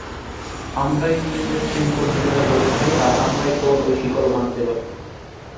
আমরাই নিজেদের শৃঙ্খল নিজেরা গড়েছি, আর আমরাই কেবল ঐ শিকল ভাঙতে পারি।